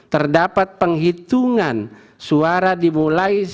terdapat penghitungan suara dimulai